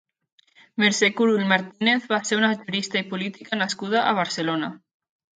Mercè Curull Martínez va ser una jurista i política nascuda a Barcelona.